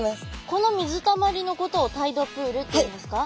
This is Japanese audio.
この水たまりのことをタイドプールっていうんですか？